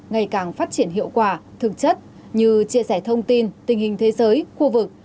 ngày càng phát triển hiệu quả thực chất như chia sẻ thông tin tình hình thế giới khu vực